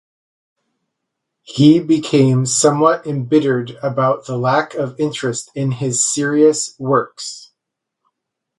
He became somewhat embittered about the lack of interest in his serious works.